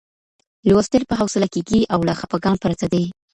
لوستل په حوصله کېږي او له خپګان پرته دی.